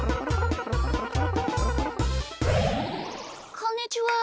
こんにちは。